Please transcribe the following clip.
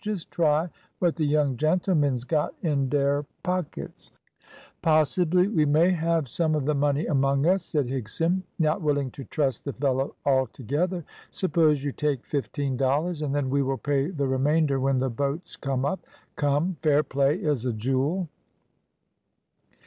"Just try what the young gentlemens got in dare pockets." "Possibly we may have some of the money among us," said Higson, not willing to trust the fellow altogether. "Suppose you take fifteen dollars, and then we will pay the remainder when the boats come up come, fair play is a jewel."